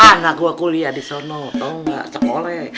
anak gue kuliah di sono tau gak sekoleh